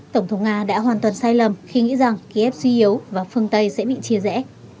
tổng thống nga đã hoàn toàn sai lầm khi nghĩ rằng kiev suy yếu và phương tây sẽ bị chia rẽ